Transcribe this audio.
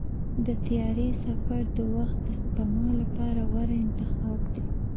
د طیارې سفر د وخت د سپما لپاره غوره انتخاب دی.